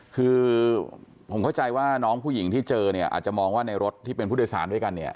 คือผมเข้าใจว่าน้องผู้หญิงที่เจอเนี่ยอาจจะมองว่าในรถที่เป็นผู้โดยสารด้วยกันเนี่ย